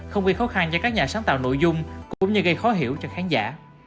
không gây khó khăn cho các nhà sáng tạo nội dung cũng như gây khó hiểu cho khán giả